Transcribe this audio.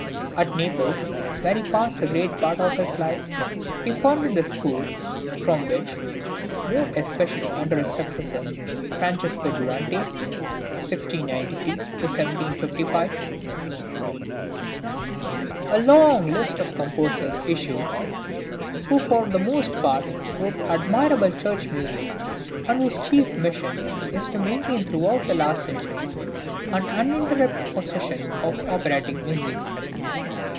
At Naples, where he passed the greater part of his life, he founded the school from which (more especially under his successor Francesco Durante, 1693 1755) a long list of composers issued, who for the most part wrote admirable church music, but whose chief mission it was to maintain throughout the last century an uninterrupted succession of operatic music.